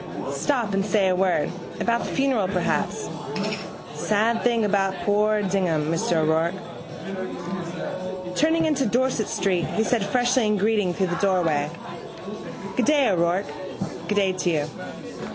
Stop and say a word: about the funeral perhaps. Sad thing about poor Dignam, Mr O'Rourke. Turning into Dorset street he said freshly in greeting through the doorway: —Good day, Mr O'Rourke. —Good day to you.